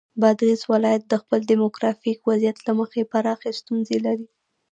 بادغیس ولایت د خپل دیموګرافیک وضعیت له مخې پراخې ستونزې لري.